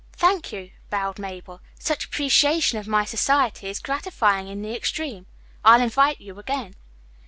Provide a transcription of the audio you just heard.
"Thank you," bowed Mabel. "Such appreciation of my society is gratifying in the extreme. I'll invite you again."